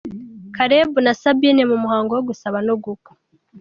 Caleb na Sabine mu muhango wo gusaba no gukwa.